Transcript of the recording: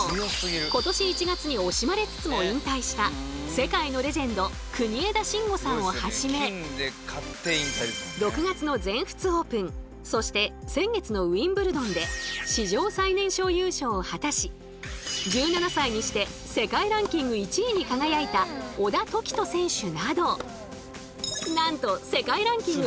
今年１月に惜しまれつつも引退した世界のレジェンド国枝慎吾さんをはじめ６月の全仏オープンそして先月のウィンブルドンで史上最年少優勝を果たし１７歳にして世界ランキング１位に輝いた小田凱人選手などなんと世界ランキング